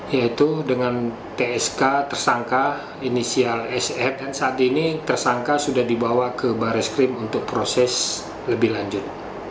yaitu dengan tsk tersangka inisial sf dan saat ini tersangka sudah dibawa ke baris krim untuk proses lebih lanjut